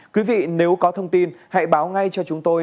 quý vị nếu có thông tin hãy báo ngay cho chúng tôi